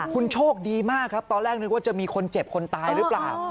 คุณโชคดีมากครับตอนแรกนึกว่าจะมีคนเจ็บคนตายหรือเปล่า